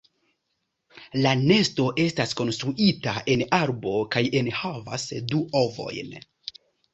La nesto estas konstruita en arbo, kaj enhavas du ovojn.